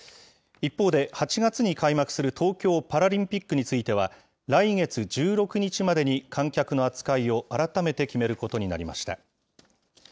一方で、８月に開幕する東京パラリンピックについては、来月１６日までに観客の扱いを改めて決めることになりました。